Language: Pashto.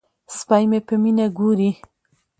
سپی مې په مینه ګوري.